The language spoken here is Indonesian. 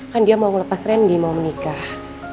kan dia mau melepas randy mau menikah